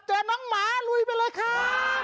เจอน้องหมาลุยไปเลยค่ะ